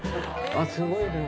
あっすごいなあ。